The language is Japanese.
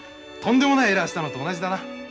とんでもないエラーしたのと同じだな。